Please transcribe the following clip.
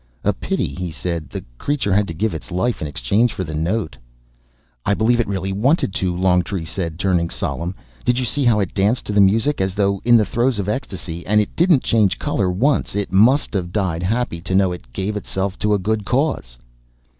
"A pity," he said, "the creature had to give its life in exchange for the note." "I believe it really wanted to," Longtree said, turning solemn. "Did you see how it danced to the music, as though in the throes of ecstasy, and it didn't change color once! It must have died happy to know it gave itself to a good cause."